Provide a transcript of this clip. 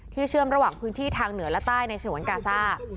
เชื่อมระหว่างพื้นที่ทางเหนือและใต้ในฉนวนกาซ่า